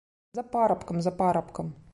За парабкам, за парабкам.